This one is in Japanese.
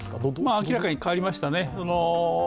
明らかに変わりましたね。